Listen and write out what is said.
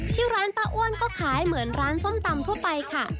ที่ร้านป้าอ้วนก็ขายเหมือนร้านส้มตำทั่วไปค่ะ